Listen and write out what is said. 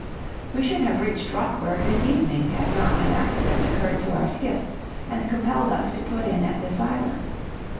"We should have reached Rockburg this evening had not an accident occurred to our skiff and compelled us to put in at this island.